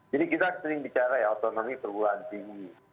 jadi kita sering bicara ya otonomi perubahan tinggi